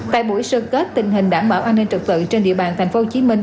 tại buổi sơ kết tình hình đảm bảo an ninh trật tự trên địa bàn thành phố hồ chí minh